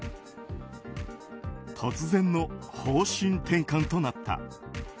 突然の方針転換となった。